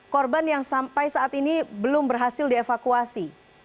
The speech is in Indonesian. korban yang sampai saat ini belum berhasil dievakuasi